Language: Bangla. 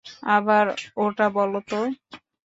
আবার ওটা বলো তো।